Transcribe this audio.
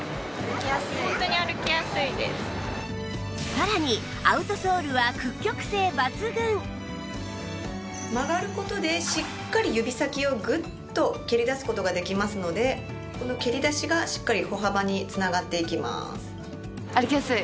さらに曲がる事でしっかり指先をグッと蹴り出す事ができますのでこの蹴り出しがしっかり歩幅に繋がっていきます。